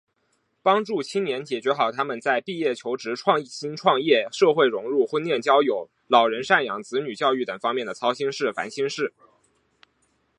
帮助青年解决好他们在毕业求职、创新创业、社会融入、婚恋交友、老人赡养、子女教育等方面的操心事、烦心事……